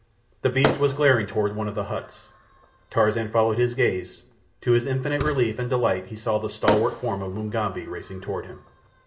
The beast was glaring toward one of the huts. Tarzan followed his gaze. To his infinite relief and delight he saw the stalwart form of Mugambi racing toward him.